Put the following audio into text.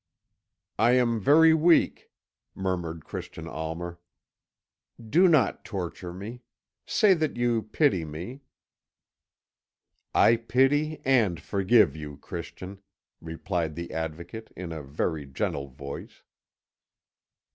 "I am very weak," murmured Christian Almer. "Do not torture me; say that you pity me." "I pity and forgive you, Christian," replied the Advocate in a very gentle voice.